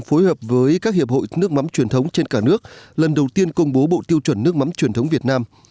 phối hợp với các hiệp hội nước mắm truyền thống trên cả nước lần đầu tiên công bố bộ tiêu chuẩn nước mắm truyền thống việt nam